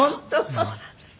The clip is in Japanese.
そうなんです。